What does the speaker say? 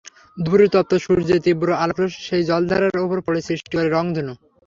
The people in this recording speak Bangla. দুপুরের তপ্ত সূর্যের তীব্র আলোকরশ্মি সেই জলধারার ওপর পড়ে সৃষ্টি করে রংধনু।